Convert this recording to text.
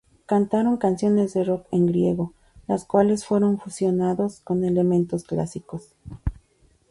Cantaron canciones de rock en griego, las cuales fueron fusionados con elementos clásicos.